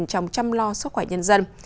trong chăm lo sức khỏe nhân dân